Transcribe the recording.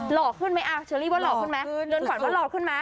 หลอกขึ้นไหมอ่าเฉลี่ยว่าหลอกขึ้นไหมเดินขวัญว่าหลอกขึ้นไหม